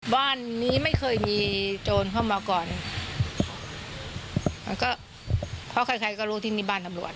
บ้านนี้ไม่เคยมีโจรเข้ามาก่อนมันก็เพราะใครใครก็รู้ที่นี่บ้านตำรวจ